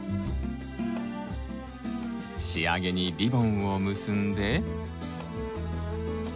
仕上げにリボンを結んで。